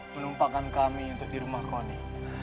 menumpangkan kami untuk di rumah kau nih